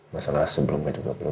masalah sebelumnya juga belum